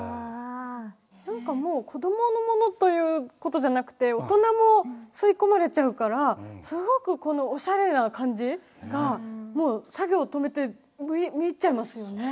何かもうこどものものということじゃなくて大人も吸い込まれちゃうからすごくこのおしゃれな感じがもう作業止めて見入っちゃいますよね。